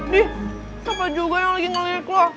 dih siapa juga yang lagi ngeliat lo